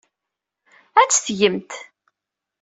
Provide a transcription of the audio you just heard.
Ad tt-tgemt.